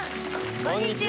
こんにちは！